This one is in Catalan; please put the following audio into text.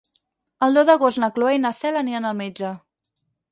El deu d'agost na Cloè i na Cel aniran al metge.